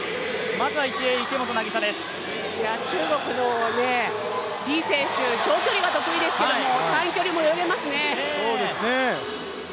まずは１泳、中国の李選手、長距離が得意ですけど、短距離も泳げますね。